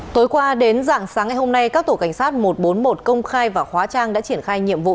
tối qua đến dạng sáng ngày hôm nay các tổ cảnh sát một trăm bốn mươi một công khai và hóa trang đã triển khai nhiệm vụ